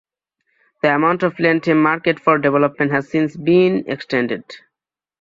The amount of land earmarked for development has since been extended.